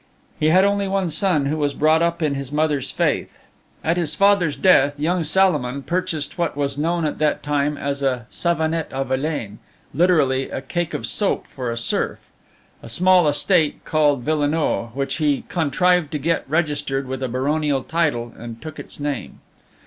He had only one son, who was brought up in his mother's faith. At his father's death young Salomon purchased what was known at that time as a savonnette a vilain (literally a cake of soap for a serf), a small estate called Villenoix, which he contrived to get registered with a baronial title, and took its name.